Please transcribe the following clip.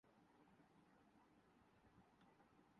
ہدایت کار امین اقبال کی